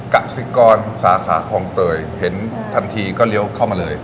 กสิกรสาขาคลองเตยเห็นทันทีก็เลี้ยวเข้ามาเลย